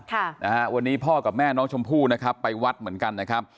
ค่ะนะฮะวันนี้พ่อกับแม่น้องชมพู่นะครับไปวัดเหมือนกันนะครับ